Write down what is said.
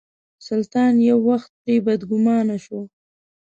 سلطان یو وخت پرې بدګومانه شو.